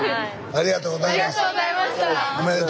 ありがとうございます。